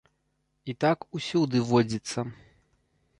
І так усюды водзіцца.